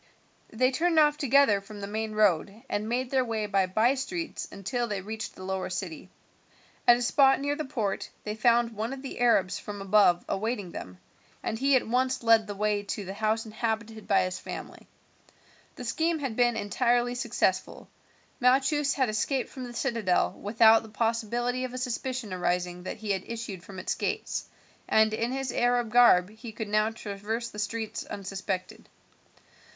They turned off together from the main road and made their way by bystreets until they reached the lower city. At a spot near the port they found one of the Arabs from above awaiting them, and he at once led the way to the house inhabited by his family. The scheme had been entirely successful. Malchus had escaped from the citadel without the possibility of a suspicion arising that he had issued from its gates, and in his Arab garb he could now traverse the streets unsuspected.